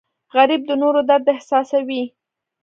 غریب د نورو درد احساسوي